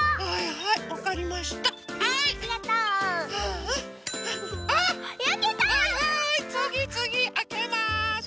はいはいつぎつぎあけます。